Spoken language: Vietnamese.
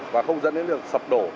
và không dẫn đến được sập đổ